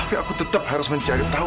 tapi aku tetep harus mencari tau